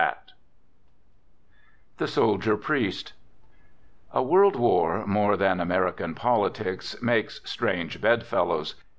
Digitized by THE SOLDIER PRIEST A world war, more than American politics, makes * strange bedfellows.